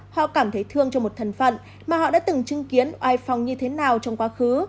họ cảm thấy thương cho một thần phận mà họ đã từng chứng kiến oai phòng như thế nào trong quá khứ